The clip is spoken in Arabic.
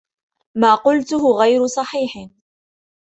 ما قلته غير صحيح.